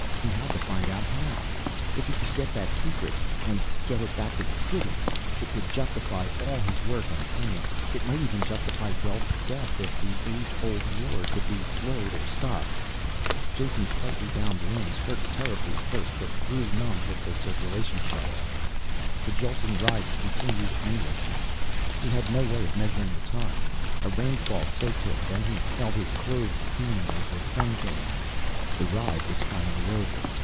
He had to find out how. If he could get that secret and get it back to the city it would justify all his work and pain. It might even justify Welf's death if the age old war could be slowed or stopped. Jason's tightly bound limbs hurt terribly at first, but grew numb with the circulation shut off. The jolting ride continued endlessly, he had no way of measuring the time. A rainfall soaked him, then he felt his clothes steaming as the sun came out. The ride was finally over.